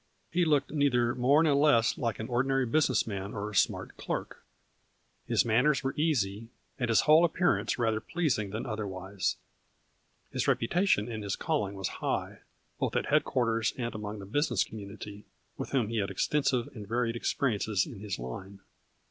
He looked neither more nor less than an ordinary business man or smart clerk. His manners were easy, and his whole appear ance rather pleasing than otherwise. His rep utation in his calling was high, both at head quarters and among the business community, with whom he had extensive and varied expe riences in his line.